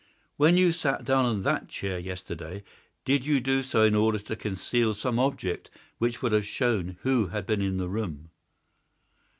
When you sat down on that chair yesterday, did you do so in order to conceal some object which would have shown who had been in the room?"